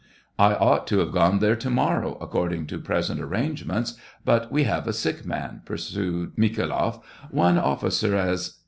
" I ought to have gone there to morrow, according to present ar rangements ; but we have a sick man," pursued MikhaYloff, " one officer, as